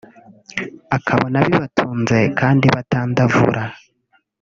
akabona bibatunze kandi batandavura